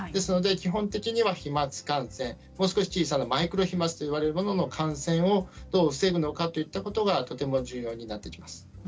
基本的には飛まつ感染、もう少し小さなマイクロ飛まつといわれるものの感染をどう防ぐかということがとても重要になってきます。